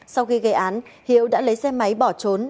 sau khi gây án hiếu đã lấy xe máy bỏ trốn